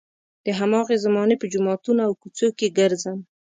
د هماغې زمانې په جوماتونو او کوڅو کې ګرځم.